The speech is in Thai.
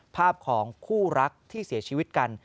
ภาพของคู่รักที่เสียชีวิตกัน